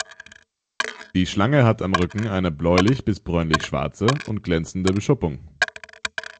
Die Schlange hat am Rücken eine bläulich bis bräunlich schwarze und glänzende Beschuppung.